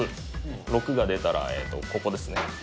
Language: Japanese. ６が出たら、ここですね。